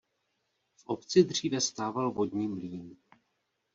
V obci dříve stával vodní mlýn.